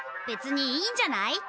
べつにいいんじゃない？